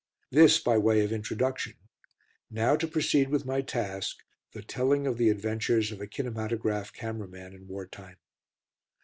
This by way of introduction. Now to proceed with my task, the telling of the adventures of a kinematograph camera man in war time.